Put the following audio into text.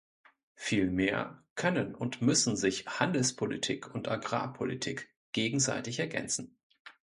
Vielmehr können und müssen sich Handelspolitik und Agrarpolitik gegenseitig ergänzen.